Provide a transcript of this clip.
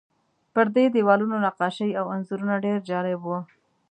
پر دې دیوالونو نقاشۍ او انځورونه ډېر جالب وو.